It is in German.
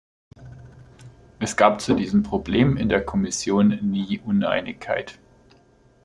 Es gab zu diesem Problem in der Kommission nie Uneinigkeit.